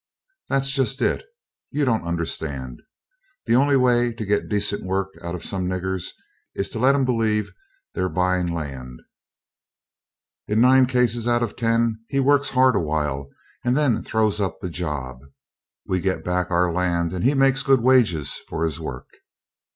"That's just it. You don't understand. The only way to get decent work out of some niggers is to let them believe they're buying land. In nine cases out of ten he works hard a while and then throws up the job. We get back our land and he makes good wages for his work."